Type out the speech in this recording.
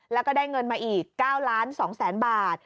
แล้วก็ได้เงินมาอีก๙ล้าน๒แสนบาท